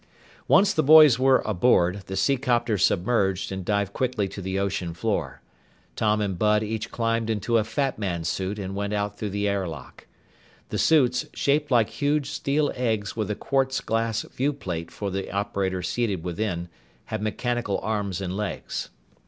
Once the boys were aboard, the seacopter submerged and dived quickly to the ocean floor. Tom and Bud each climbed into a Fat Man suit and went out through the air lock. The suits, shaped like huge steel eggs with a quartz glass view plate for the operator seated within, had mechanical arms and legs.